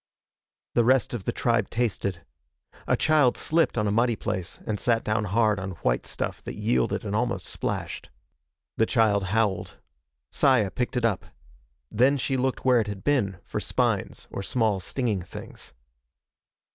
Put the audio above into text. The rest of the tribe tasted. A child slipped on a muddy place and sat down hard on white stuff that yielded and almost splashed. The child howled. Saya picked it up. Then she looked where it had been for spines or small stinging things.